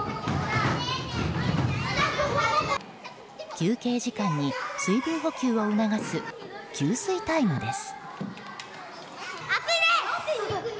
休憩時間に水分補給を促す給水タイムです。